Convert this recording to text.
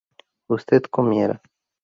¿usted comiera?